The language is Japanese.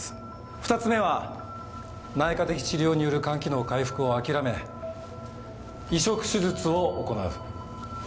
２つ目は内科的治療による肝機能回復を諦め移植手術を行う。